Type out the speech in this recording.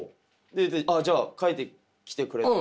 「ああじゃあ書いてきてくれ」